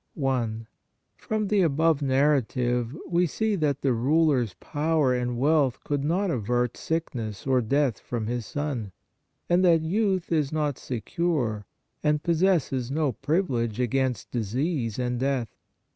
1. From the above narrative we see that the ruler s power and wealth could not avert sickness or death from his son, and that youth is not secure and possesses no privilege against disease and death.